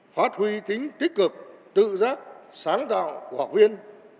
phát huy tính tích cực tự giác sáng tạo của học viên